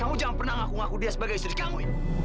kamu jangan pernah ngaku ngaku dia sebagai istri kamu